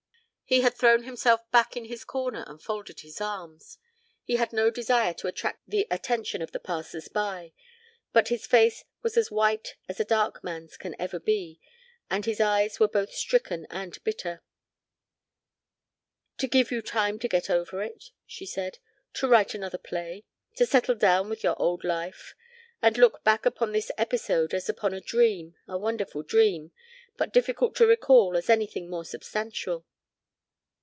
He had thrown himself back in his corner and folded his arms; he had no desire to attract the attention of the passers by. But his face was as white as a dark man's can be and his eyes were both stricken and bitter. "To give you time to get over it," she said. "To write another play. To settle down into your old life and look back upon this episode as upon a dream, a wonderful dream, but difficult to recall as anything more substantial."